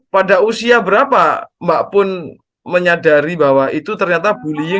pada usia berapa mbak pun menyadari bahwa itu ternyata bullying